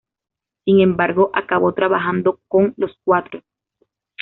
Sin embargo, acabó trabajando con los cuatro.